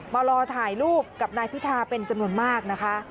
มารอถ่ายรูปกับนายพิธาเป็นจำนวนมากนะคะ